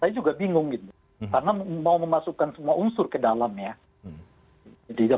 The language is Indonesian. saya juga bingung karena mau memasukkan semua unsur ke dalamnya